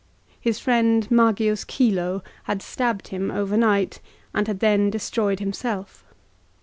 His friend Magius Chilo had stabbed him overnight, and had then destroyed himself.